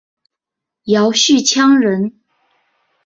姚绪羌人。